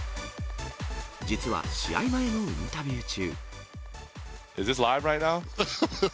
実は試合前のインタビュー中。